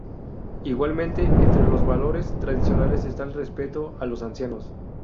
Igualmente, entre los valores tradicionales está el respeto a los ancianos.